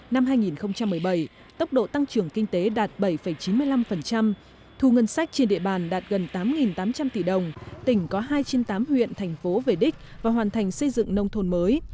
năm hai nghìn một mươi bảy tốc độ tăng trưởng kinh tế đạt bảy chín mươi năm thu ngân sách trên địa bàn đạt gần tám tám trăm linh tỷ đồng tỉnh có hai trên tám huyện thành phố về đích và hoàn thành xây dựng nông thôn mới